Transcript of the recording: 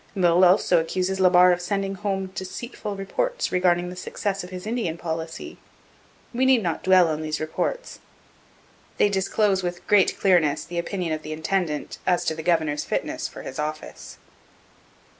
Meulles also accuses La Barre of sending home deceitful reports regarding the success of his Indian policy. We need not dwell longer on these reports. They disclose with great clearness the opinion of the intendant as to the governor's fitness for his office.